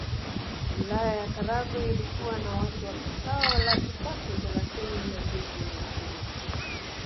Wilaya ya Karagwe ilikuwa na watu wapatao laki tatu thelathini na mbili na ishirini